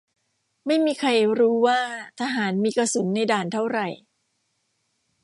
ไม่มีใครรู้ว่าทหารมีกระสุนในด่านเท่าไหร่